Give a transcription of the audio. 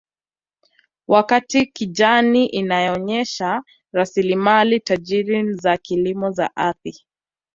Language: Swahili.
Wakati kijani inaonyesha rasilimali tajiri za kilimo za ardhi